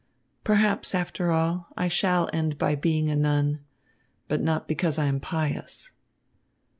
Perhaps, after all, I shall end by being a nun, but not because I am pious."